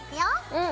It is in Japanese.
うん。